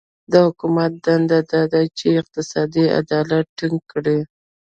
د حکومت دنده دا ده چې اقتصادي عدالت ټینګ کړي.